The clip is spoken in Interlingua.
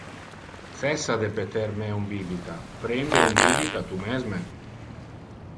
Cessa de peter me un bibita! Prende un bibita tu mesme.